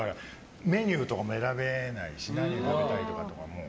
メニューとかも選べないし何を食べたいとかも。